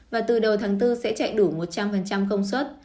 và từ đầu tháng bốn sẽ chạy đủ một trăm linh công suất